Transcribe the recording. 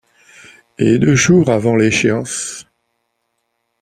Et deux jours avant l’échéance ?